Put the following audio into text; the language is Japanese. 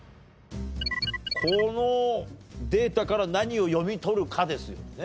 このデータから何を読み取るかですよね。